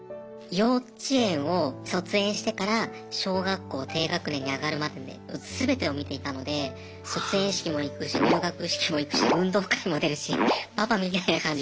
幼稚園を卒園してから小学校低学年に上がるまでね全てを見ていたので卒園式も行くし入学式も行くし運動会も出るしパパみたいな感じで。